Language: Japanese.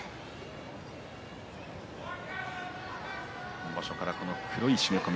今場所から黒い締め込み